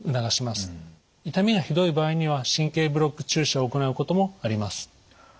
痛みがひどい場合には神経ブロック注射を行うこともあります。